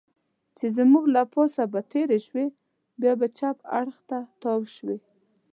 چې زموږ له پاسه به تېرې شوې، بیا به چپ اړخ ته تاو شوې.